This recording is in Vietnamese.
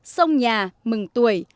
sông nhà mừng tuổi